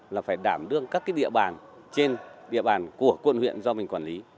là phải đảm đương các địa bàn trên địa bàn của quận huyện do mình quản lý